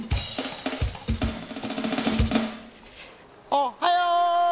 おっはよ！